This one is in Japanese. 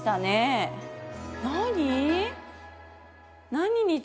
何？